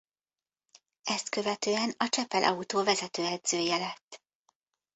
Ezt követően a Csepel Autó vezetőedzője lett.